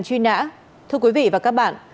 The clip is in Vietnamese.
xin chào quý vị và các bạn